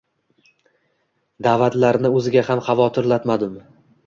Daʼvatlarini oʻziga ham xotirlatmadim.